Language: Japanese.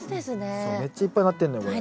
めっちゃいっぱいなってんのよこれ。